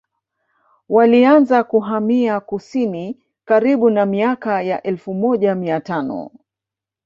Walianza kuhamia kusini karibu na miaka ya elfu moja mia tano